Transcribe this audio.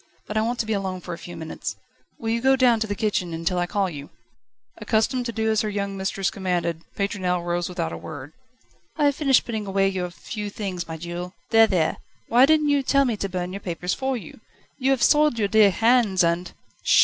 But I want to be alone for a few moments will you go down to the kitchen until I call you?" Accustomed to do as her young mistress commanded, Pétronelle rose without a word. "I have finished putting away your few things, my jewel. There, there! why didn't you tell me to burn your papers for you? You have soiled your dear hands, and